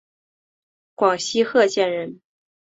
广西贺县人。